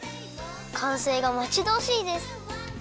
かんせいがまちどおしいです！